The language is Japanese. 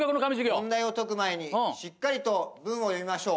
問題を解く前にしっかりと文を読みましょう。